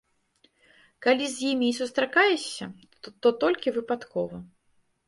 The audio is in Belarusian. Калі з імі і сустракаешся, то толькі выпадкова.